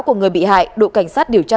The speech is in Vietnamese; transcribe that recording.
của người bị hại đội cảnh sát điều tra